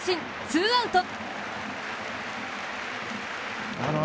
ツーアウト。